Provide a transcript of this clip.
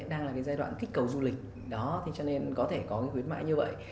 đang là cái giai đoạn kích cầu du lịch đó thì cho nên có thể có cái khuyến mại như vậy